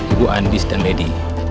ibu andis dan lady